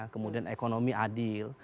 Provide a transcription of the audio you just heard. kemudian ekonomi adil